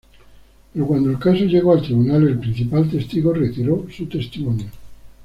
Pero cuando el caso llegó al tribunal, el principal testigo retiró su testimonio.